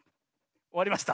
おわりました。